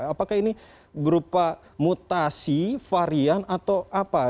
apakah ini berupa mutasi varian atau apa